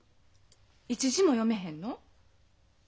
一字も読めへんの？